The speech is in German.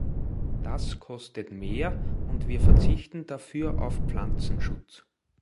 Das kostet mehr, und wir verzichten dafür auf Pflanzenschutz.